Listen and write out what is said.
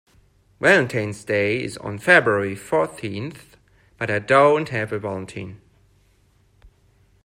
Valentine's Day is on February fourteenth, but I don't have a valentine.